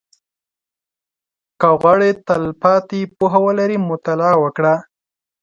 • که غواړې تلپاتې پوهه ولرې، مطالعه وکړه.